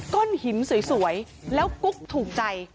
ก้อนหินสวยแล้วกุ๊กถูกใจ